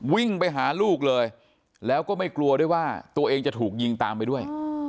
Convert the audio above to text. วิ่งไปหาลูกเลยแล้วก็ไม่กลัวด้วยว่าตัวเองจะถูกยิงตามไปด้วย